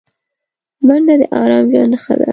منډه د ارام ژوند نښه ده